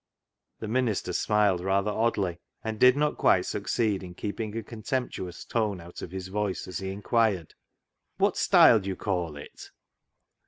" The minister smiled rather oddly, and did not quite succeed in keeping a contemptuous tone out of his voice as he incjuired —" What style do you call it?"